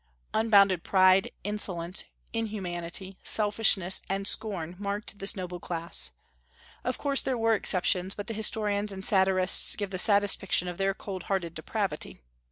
Unbounded pride, insolence, inhumanity, selfishness, and scorn marked this noble class. Of course there were exceptions, but the historians and satirists give the saddest pictures of their cold hearted depravity.